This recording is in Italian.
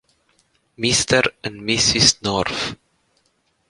Mr. and Mrs. North